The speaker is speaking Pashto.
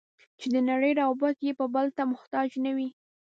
چې د نړۍ روابط یې بل ته محتاج نه وي.